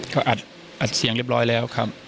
ก็อัดเสียงเรียบร้อยแล้วครับ